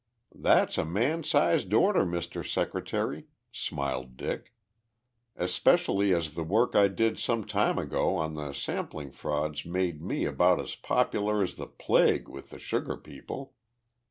"That's a man sized order, Mr. Secretary," smiled Dick, "especially as the work I did some time ago on the sampling frauds made me about as popular as the plague with the sugar people.